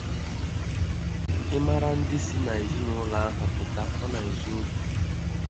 ịmara ndị si na ezinaụlọ ahụ pụta ọ na-ezu ohi